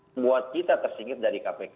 membuat kita tersingkir dari kpk